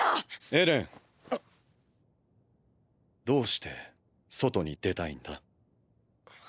どうして外に出たいんだ？